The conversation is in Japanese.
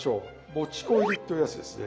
もち粉入りっていうやつですね。